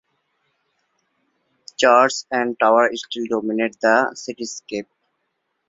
Church and tower still dominate the cityscape.